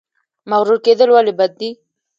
مغرور کیدل ولې بد دي؟